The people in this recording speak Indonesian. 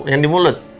yang di mulut